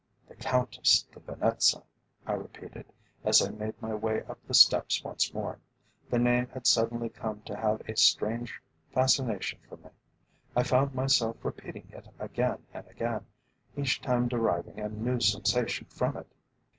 "The Countess de Venetza," I repeated, as I made my way up the steps once more. The name had suddenly come to have a strange fascination for me. I found myself repeating it again and again, each time deriving a new sensation from it.